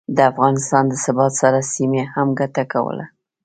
د افغانستان د ثبات سره، سیمې هم ګټه کوله